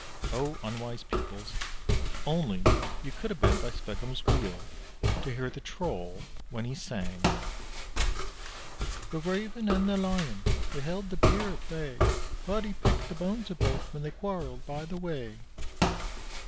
Oh, unwise peoples! If only you could have been by Sveggum's wheel to hear the Troll when he sang: The Raven and the Lion They held the Bear at bay; But he picked the bones of both When they quarrelled by the way.